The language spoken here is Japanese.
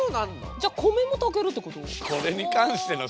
じゃ米も炊けるってこと？